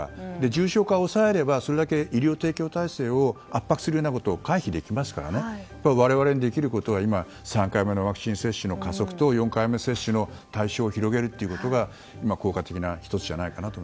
重症化を抑えればそれだけ医療提供体制を圧迫するようなことを回避できますから我々にできることは３回目のワクチン接種の加速と４回目接種の対象を広げるということが今、効果的な１つじゃないかなと。